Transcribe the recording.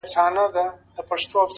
• په هغه نامه په دار یو ګوندي راسي ,